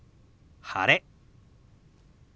「晴れ」。